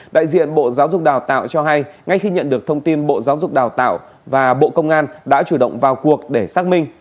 đại diện bộ giáo dục đào tạo cho hay ngay khi nhận được thông tin bộ giáo dục đào tạo và bộ công an đã chủ động vào cuộc để xác minh